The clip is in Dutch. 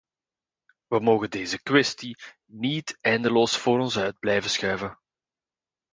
Wij mogen deze kwestie niet eindeloos voor ons uit blijven schuiven.